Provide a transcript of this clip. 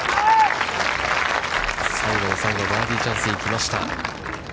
最後の最後、バーディーチャンスに来ました。